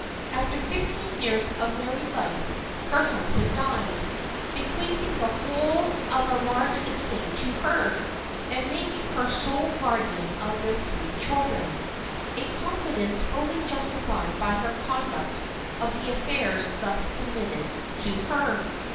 After fifteen years of married life her husband died, bequeathing the whole of a large estate to her, and making her sole guardian of their three children,—a confidence fully justified by her conduct of the affairs thus committed to her.